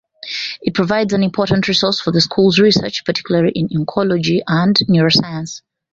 It provides an important resource for the School's research, particularly in oncology and neuroscience.